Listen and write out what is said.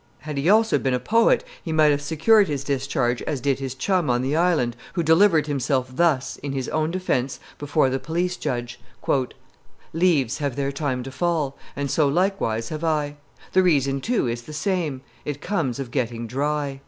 Had he also been a poet he might have secured his discharge as did his chum on the Island who delivered himself thus in his own defense before the police judge: "Leaves have their time to fall, And so likewise have I. The reason, too, is the same, It comes of getting dry.